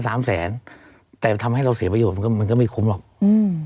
สามแสนแต่ทำให้เราเสียประโยชนมันก็มันก็ไม่คุ้มหรอกอืม